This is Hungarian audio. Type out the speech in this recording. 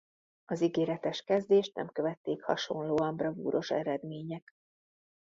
Az ígéretes kezdést nem követték hasonlóan bravúros eredmények.